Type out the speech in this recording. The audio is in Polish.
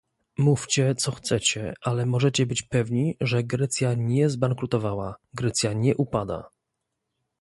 Mówcie, co chcecie, ale możecie być pewni, że Grecja nie zbankrutowała, Grecja nie upada